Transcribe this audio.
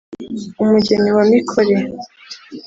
umugeni wa mikore